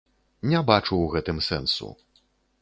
Не бачу ў гэтым сэнсу.